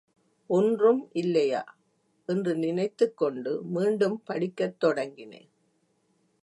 ஒன்றும் இல்லையா! என்று நினைத்துக் கொண்டு மீண்டும் படிக்கத் தொடங்கினேன்.